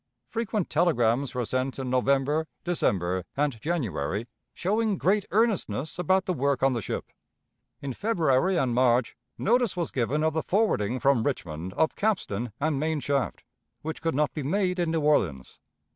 Frequent telegrams were sent in November, December, and January, showing great earnestness about the work on the ship. In February and March notice was given of the forwarding from Richmond of capstan and main shaft, which could not be made in New Orleans.